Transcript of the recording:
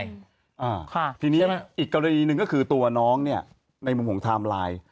อ่าค่ะทีนี้อีกกรณีหนึ่งก็คือตัวน้องเนี้ยในมุมของไทม์ไลน์